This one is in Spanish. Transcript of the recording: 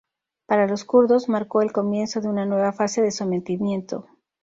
Para los kurdos, marcó el comienzo de una nueva fase de sometimiento.